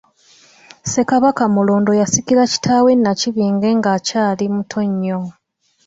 Ssekabaka Mulondo yasikira kitaawe Nakibinge nga akyali muto nnyo.